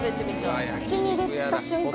口に入れた瞬間